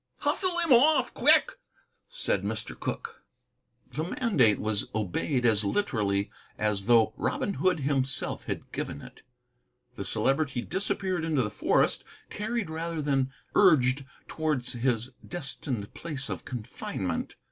"Hustle him off, quick," said Mr. Cooke. The mandate was obeyed as literally as though Robin Hood himself had given it. The Celebrity disappeared into the forest, carried rather than urged towards his destined place of confinement.